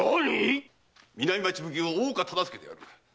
南町奉行大岡忠相である。